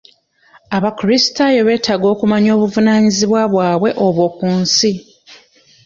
Abakulisitaayo beetaaga okumanya obuvunaanyizibwa bwabwe obwo ku nsi.